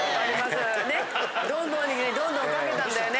どんどんにどんどんかけたんだよね。